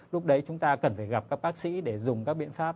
lúc đấy chúng ta cần phải gặp các bác sĩ để dùng các biện pháp